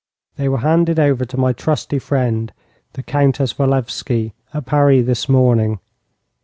'They were handed over to my trusty friend, the Countess Walewski, at Paris, this morning.